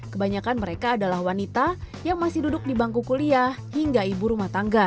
kebanyakan mereka adalah wanita yang masih duduk di bangku kuliah hingga ibu rumah tangga